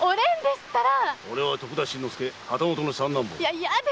俺は徳田新之助旗本の三男坊だ。